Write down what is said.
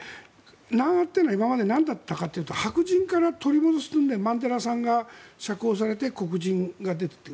南アというのは今までなんだかったというと白人から取り戻すのでマンデラさんが釈放された黒人が出たと。